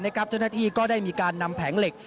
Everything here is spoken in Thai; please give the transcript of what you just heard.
เจ้าหน้าที่ก็ได้มีการนำแผงเหล็ก